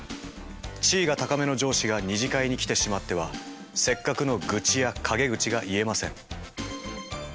地位が高めの上司が二次会に来てしまってはせっかくの愚痴や陰口が言えません。